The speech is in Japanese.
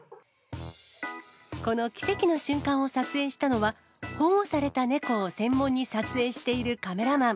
この奇跡の瞬間を撮影したのは、保護された猫を専門に撮影しているカメラマン。